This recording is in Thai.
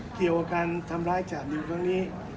เกี่ยวกับการทำร้ายจากหนึ่งข้างนี้